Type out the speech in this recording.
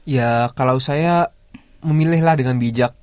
ya kalau saya memilihlah dengan bijak